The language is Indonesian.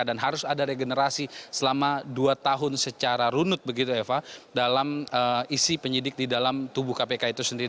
dan harus ada regenerasi selama dua tahun secara runut begitu eva dalam isi penyidik di dalam tubuh kpk itu sendiri